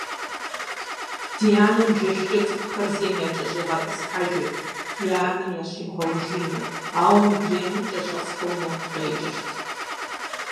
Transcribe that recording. Ди анэм жэщкӀэ цӀыкӀухэр зейм якӀэщӀигъэтӀысхьэжырт, я анэм ящимыгъэужыну, ауэ мыдрейм кӀэщӀэсхэу нэху къекӀырт.